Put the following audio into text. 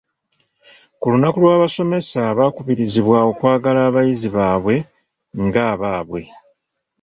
Ku lunaku lw'abasomesa baakubirizibwa okwagala abayizi baabwe nga abaabwe.